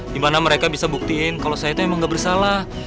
dimana mereka bisa buktiin kalau saya itu emang gak bersalah